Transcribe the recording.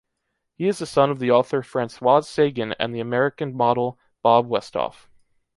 He is the son of the author Françoise Sagan and the American model Bob Westhoff.